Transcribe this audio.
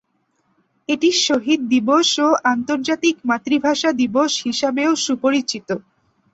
এটি শহীদ দিবস ও আন্তর্জাতিক মাতৃভাষা দিবস হিসাবেও সুপরিচিত।